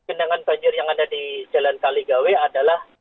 genangan banjir yang ada di jalan kaligawe adalah